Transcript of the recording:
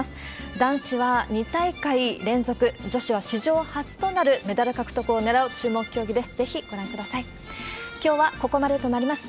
男子は２大会連続、女子は史上初となるメダル獲得を狙う注目競技です。